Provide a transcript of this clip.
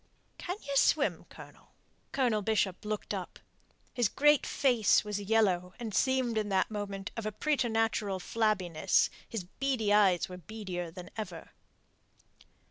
"Can ye swim, Colonel?" Colonel Bishop looked up. His great face was yellow and seemed in that moment of a preternatural flabbiness; his beady eyes were beadier than ever.